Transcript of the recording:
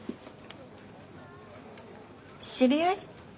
知り合い？